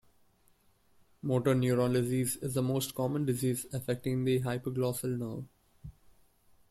Motor neuron disease is the most common disease affecting the hypoglossal nerve.